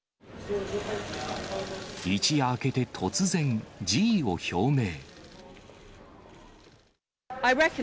一夜明けて突然、辞意を表明。